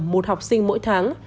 một học sinh mỗi tháng